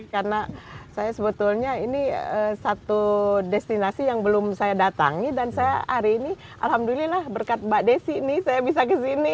karena saya sebetulnya ini satu destinasi yang belum saya datangi dan saya hari ini alhamdulillah berkat mbak desi nih saya bisa ke sini